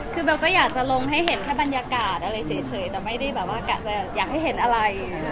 คือเบลก็อยากจะลงให้เห็นแค่บรรยากาศอะไรเฉยแต่ไม่ได้แบบว่ากะจะอยากให้เห็นอะไร